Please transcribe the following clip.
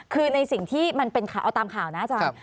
คือในสิ่งที่มันเป็นข่าวเอาตามข่าวนะอาจารย์